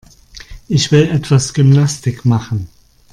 Ich will etwas Gymnastik machen.